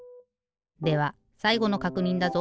ではさいごのかくにんだぞ！